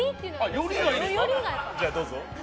じゃあ、どうぞ。